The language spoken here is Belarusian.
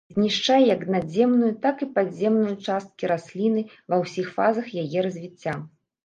Знішчае як надземную, так і падземную часткі расліны ва ўсіх фазах яе развіцця.